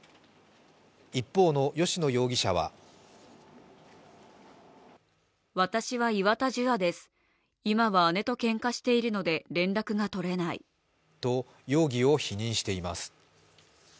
一方の吉野容疑者はと、容疑を否認しています。